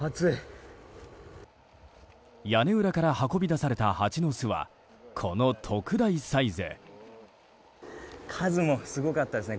屋根裏から運び出されたハチの巣は、この特大サイズ。